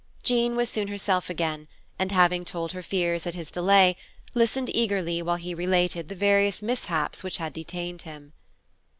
Jean was soon herself again, and, having told her fears at his delay, listened eagerly while he related the various mishaps which had detained him.